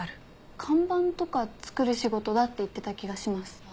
看板とか作る仕事だって言ってた気がします。